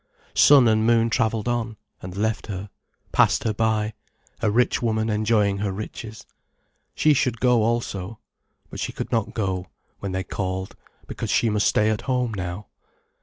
Sun and moon travelled on, and left her, passed her by, a rich woman enjoying her riches. She should go also. But she could not go, when they called, because she must stay at home now.